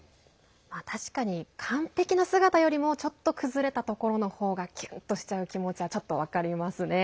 確かに完璧な姿よりもちょっと崩れたところの方がキュンとしちゃう気持ちはちょっと分かりますね。